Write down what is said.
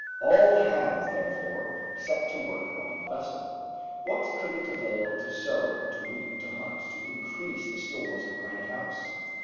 All hands, therefore, set to work on the vessel. What could it avail to sow, to reap, to hunt, to increase the stores of Granite House?